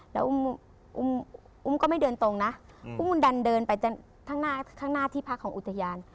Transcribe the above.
แล้วอุ้มก็ไม่เดินตรงนะอุ้มดันเดินไปข้างหน้าข้างหน้าที่พักของอุทยาน